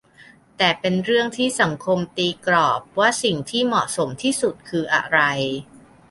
แต่เป็นเรื่องที่สังคมตีกรอบว่าสิ่งที่เหมาะสมที่สุดคืออะไร